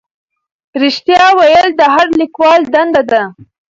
رښتیا ویل د هر لیکوال دنده ده.